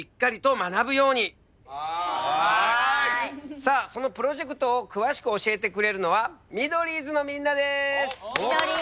さあそのプロジェクトを詳しく教えてくれるのはミドリーズのみんなです。